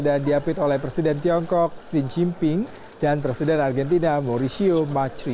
dan diapit oleh presiden tiongkok xi jinping dan presiden argentina mauricio macri